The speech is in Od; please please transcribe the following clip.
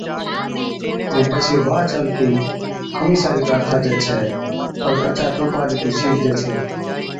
ائُون پڇي واهچ الفِي خمِيسا هاڙِي ڪار ٺاھجَي ڇَي پر ڪچي ٽوپا ڏِتِي سِيڙجَي ڇَي